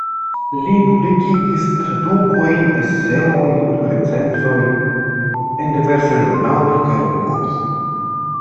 Li publikigis tradukojn, eseojn, recenzojn en diversaj ĵurnaloj kaj revuoj.